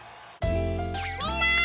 みんな！